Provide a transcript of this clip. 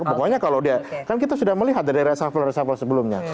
pokoknya kalau dia kan kita sudah melihat dari resafel reshuffle sebelumnya